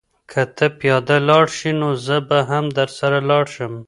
که ته پیاده لاړ شې نو زه به هم درسره لاړ شم.